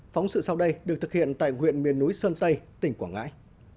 phóng sự sau đây được thực hiện tại huyện miền núi sơn tây tỉnh quảng ngãi